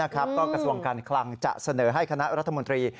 ก็กระทรวงการคลังจะเสนอให้คณะรัฐมนตรี